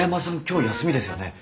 今日休みですよね？